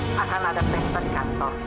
tidak akan ada pesta di kantor